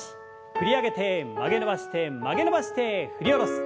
振り上げて曲げ伸ばして曲げ伸ばして振り下ろす。